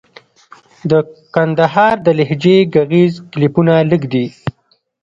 د کندهار د لهجې ږغيز کليپونه لږ دي.